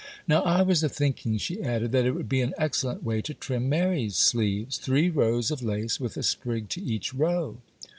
'Now, I was a thinking,' she added, 'that it would be an excellent way to trim Mary's sleeves,—three rows of lace, with a sprig to each row.